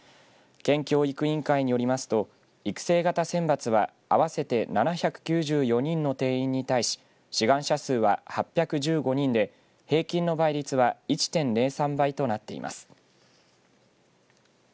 県教育委員会によりますと育成型選抜は合わせて７９４人の定員に対し志願者数は８１５人で平均の倍率は１．０３倍となっています。